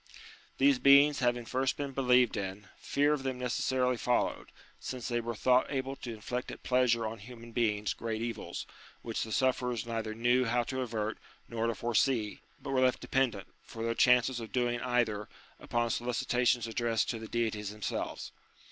These beings having first been believed in, fear of them necessarily followed ; since they were thought able to inflict at pleasure on human beings great evils, which the sufferers neither knew how to avert nor to foresee, but were left dependent, for their chances of doing either, upon solicitations addressed to the deities themselves.